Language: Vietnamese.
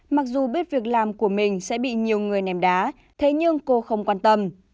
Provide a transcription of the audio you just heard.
mặc dù biết việc làm của mình sẽ bị nhiều người ném đá thế nhưng cô không quan tâm